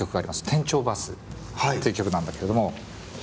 「天頂バス」っていう曲なんだけども。